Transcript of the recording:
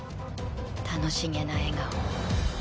楽しげな笑顔。